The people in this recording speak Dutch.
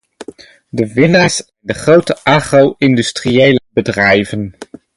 De winnaars zijn de grote agro-industriële bedrijven.